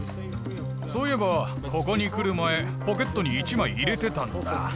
そういえばここに来る前ポケットに１枚入れてたんだ。